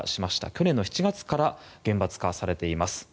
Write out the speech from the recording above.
去年７月から厳罰化されています。